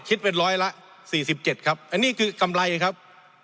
คิดเป็นร้อยละ๔๗ครับ